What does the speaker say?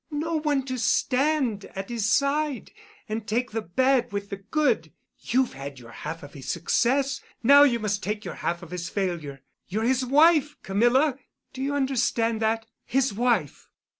No one to stand at his side and take the bad with the good. You've had your half of his success—now you must take your half of his failure. You're his wife, Camilla! Do you understand that? His wife!"